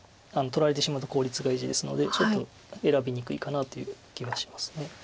取られてしまうと効率がいいですのでちょっと選びにくいかなという気がします。